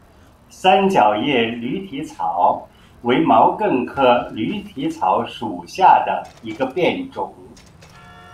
三角叶驴蹄草为毛茛科驴蹄草属下的一个变种。